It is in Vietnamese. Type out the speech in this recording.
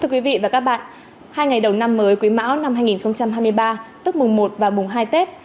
hai ngày đầu năm mới quý mão năm hai nghìn hai mươi ba tức mùng một và mùng hai tết